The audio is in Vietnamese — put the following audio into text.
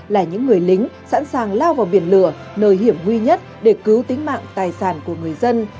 là những người lính sẵn sàng lao vào biển lửa nơi hiểm nguy nhất để cứu tính mạng tài sản của người dân